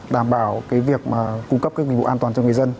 đảm bảo cái việc mà cung cấp cái quý vụ an toàn cho người dân